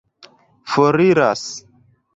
foriras